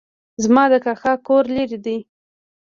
زما د کاکا کور لرې ده